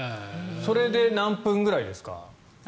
それで何分ぐらいですか？